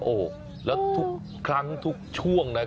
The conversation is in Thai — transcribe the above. โอ้แล้วทุกครั้งทุกช่วงนะครับ